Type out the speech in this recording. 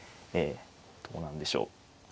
どうなんでしょう。